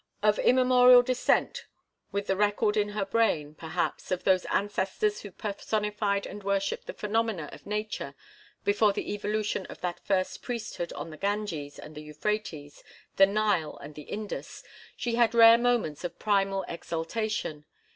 Of immemorial descent, with the record in her brain, perhaps, of those ancestors who personified and worshipped the phenomena of nature before the evolution of that first priesthood on the Ganges and the Euphrates, the Nile and the Indus, she had rare moments of primal exaltation.